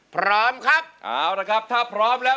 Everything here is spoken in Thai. พร้อมครับเอาละครับถ้าพร้อมแล้ว